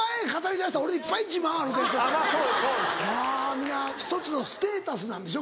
皆１つのステータスなんでしょ